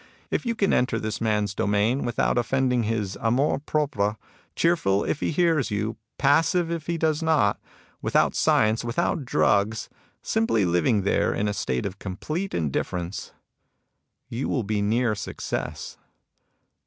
If you can enter this man^s domain without offending his amour propre, cheerful if he hears you, passive if he does not ; without science, without drugs, simply living there in a state of complete indifference, — ^you will be near success.